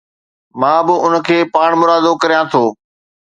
مان به اُن کي پاڻمرادو ڪريان ٿو.